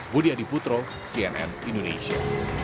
budi adiputro cnn indonesia